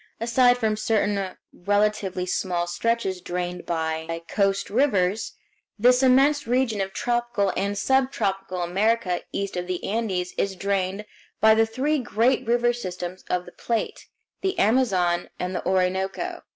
Aside from certain relatively small stretches drained by coast rivers, this immense region of tropical and subtropical America east of the Andes is drained by the three great river systems of the Plate, the Amazon, and the Orinoco.